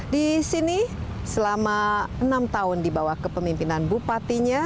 di sini selama enam tahun di bawah kepemimpinan bupatinya